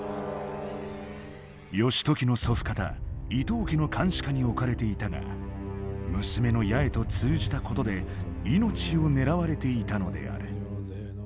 義時の祖父方伊東家の監視下に置かれていたが娘の八重と通じたことで命を狙われていたのである。